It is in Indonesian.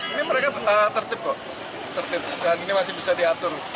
ini mereka tertip kok tertip dan ini masih bisa diatur